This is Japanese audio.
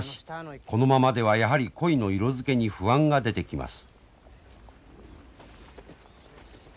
このままではやはり鯉の色づけに不安が出てきます。